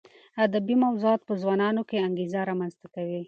ادبي موضوعات په ځوانانو کې انګېزه رامنځته کوي.